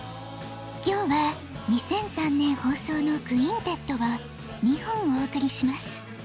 今日は２００３年ほうそうの「クインテット」を２本おおくりします。